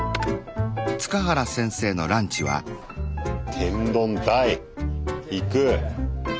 天丼いく。